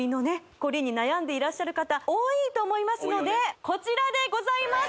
こりに悩んでいらっしゃる方多いと思いますのでこちらでございます！